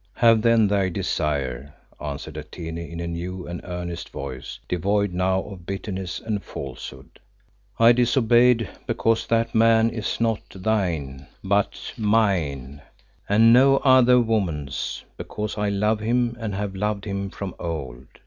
"Have then thy desire," answered Atene in a new and earnest voice, devoid now of bitterness and falsehood. "I disobeyed because that man is not thine, but mine, and no other woman's; because I love him and have loved him from of old.